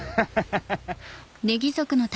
ハハハ。